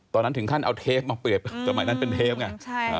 ตอนนั้นถึงขั้นเอาเทปมาเปรียบเดี๋ยวหมายถึงเป็นเทปไง